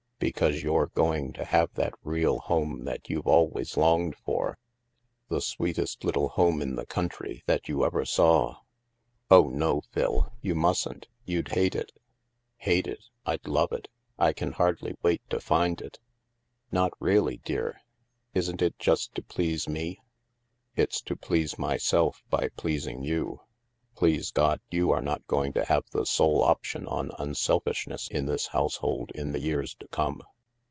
Because you're go ing to have that real home that you've always longed for ; the sweetest Uttle home in the country that you ever saw." " Oh, no, Phil. You mustn't. You'd hate it." Hate it ? I'd love it. I can hardly wait to find it." " Not really, dear? Isn't it just to please me? "" It's to please myself by pleasing you. Please God, you are not going to have the sole option on imselfishness in this household in the years to come."